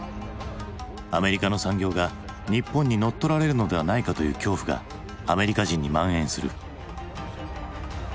アメリカの産業が日本に乗っ取られるのではないかという恐怖がアメリカ人にまん延する。